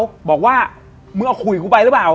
อย่าบอกว่ามึงเอาขุยกูไปรึเปล่า